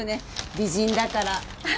美人だから。